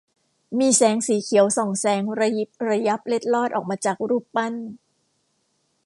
มีแสงสีเขียวส่องแสงระยิบระยับเล็ดลอดออกมาจากรูปปั้น